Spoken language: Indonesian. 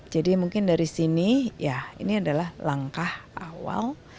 jadi mungkin dari sini ya ini adalah langkah awal